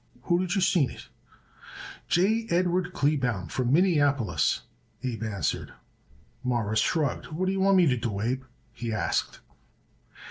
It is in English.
"Who did you seen it?" "J. Edward Kleebaum from Minneapolis," Abe answered. Morris shrugged. "What d'ye want me to do, Abe?" he asked.